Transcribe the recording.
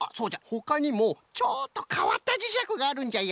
ほかにもちょっとかわったじしゃくがあるんじゃよ。